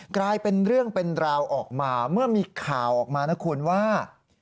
กลายเป็นเรื่องเป็นราวออกมาเมื่อมีข่าวออกมานะคุณว่า